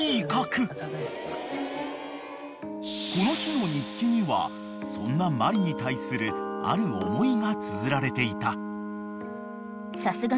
［この日の日記にはそんなマリに対するある思いがつづられていた］